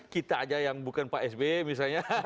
kita aja yang bukan pak sby misalnya